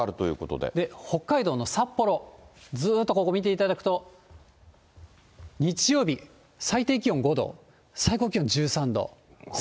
で、北海道の札幌、ずっとここ見ていただくと、日曜日、最低気温５度、最高気温１３度。